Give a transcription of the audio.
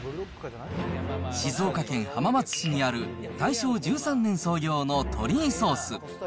静岡県浜松市にある大正１３年創業のトリイソース。